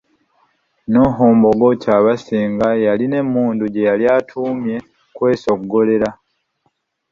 Noho Mbogo Kyabasinga yalina emmundu gye yali atuumye kwesoggolera.